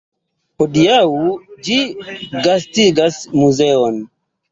Hodiaŭ ĝi gastigas muzeon.